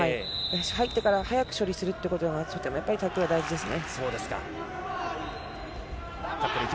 入ってから早く処理するっていうことがタックルには大事ですね。